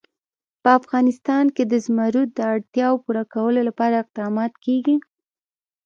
په افغانستان کې د زمرد د اړتیاوو پوره کولو لپاره اقدامات کېږي.